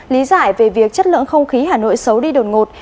lý giải về việc chất lượng không khí hà nội xấu đi đột ngột